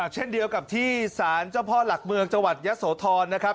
เช่นเดียวกับที่สารเจ้าพ่อหลักเมืองจังหวัดยะโสธรนะครับ